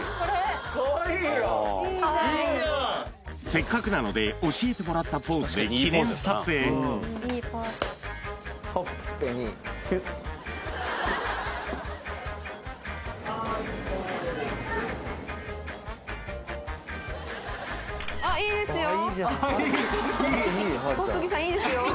せっかくなので教えてもらったポーズで記念撮影あっいいですよ・